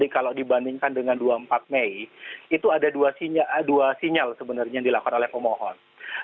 kalau dibandingkan dengan dua puluh empat mei itu ada dua sinyal sebenarnya yang dilakukan oleh pemohon